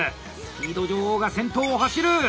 「スピード女王」が先頭を走る！